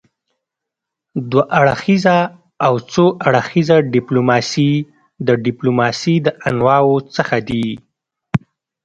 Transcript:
دوه اړخیزه او څو اړخیزه ډيپلوماسي د ډيپلوماسي د انواعو څخه دي.